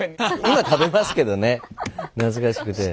今食べますけどね懐かしくて。